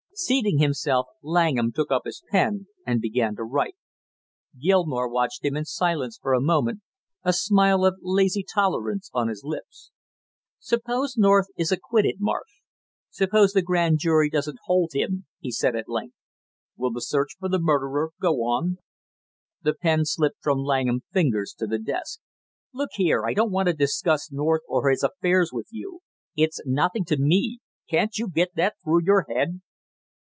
Seating himself, Langham took up his pen and began to write. Gilmore watched him in silence for a moment, a smile of lazy tolerance on his lips. "Suppose North is acquitted, Marsh; suppose the grand jury doesn't hold him," he said at length; "will the search for the murderer go on?" The pen slipped from Langham's fingers to the desk. "Look here, I don't want to discuss North or his affairs with you. It's nothing to me; can't you get that through your head?"